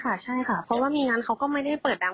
ใช่ค่ะใช่ค่ะเพราะว่ามีงานเขาก็ไม่ได้เปิดดัง